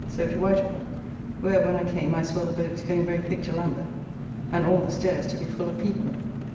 So to White Hall, where when I came I saw the boats going very thick to Lambeth, and all the stairs to be full of people.